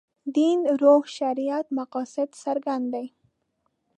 دین روح شریعت مقاصد څرګند دي.